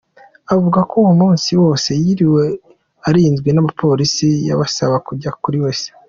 Avuga ko uwo munsi wose yiriwe arinzwe n’abapolisi yabasaba kujya kuri W.